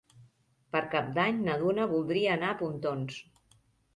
Per Cap d'Any na Duna voldria anar a Pontons.